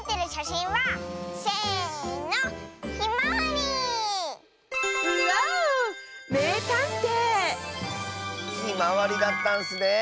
ひまわりだったんスねえ。